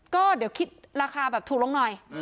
ก็เดี๋ยวคิดราคาแบบถูกลงหน่อย